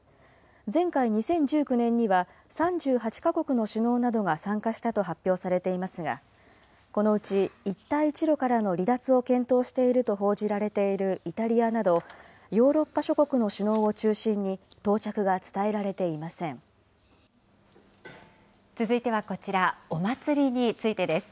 前回・２０１９年には３８か国の首脳などが参加したと発表されていますが、このうち一帯一路からの離脱を検討していると報じられているイタリアなど、ヨーロッパ諸国の首脳を中心に、到着が伝えられていま続いてはこちら、お祭りについてです。